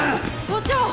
所長！